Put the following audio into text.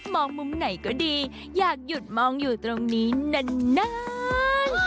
มองมุมไหนก็ดีอยากหยุดมองอยู่ตรงนี้นาน